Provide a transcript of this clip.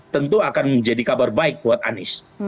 tentu akan menjadi kabar baik buat anies